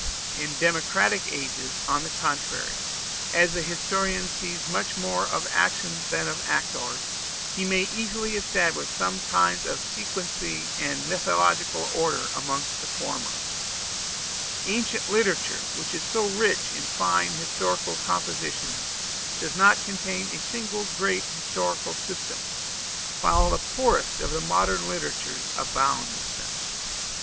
In democratic ages, on the contrary, as the historian sees much more of actions than of actors, he may easily establish some kind of sequency and methodical order amongst the former. Ancient literature, which is so rich in fine historical compositions, does not contain a single great historical system, whilst the poorest of modern literatures abound with them.